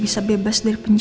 bu elsa kembali ke lapas